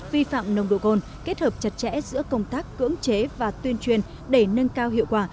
vi phạm nồng độ cồn kết hợp chặt chẽ giữa công tác cưỡng chế và tuyên truyền để nâng cao hiệu quả